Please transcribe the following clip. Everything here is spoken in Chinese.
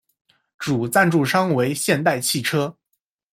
主赞助商为现代汽车。